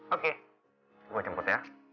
oke gue jemput ya